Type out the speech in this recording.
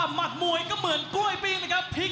มุมแดกและมุมน้ำเงิน